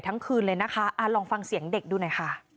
ตอนนี้คือออกไว้ไม่ได้